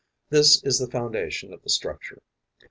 This is the foundation of the structure.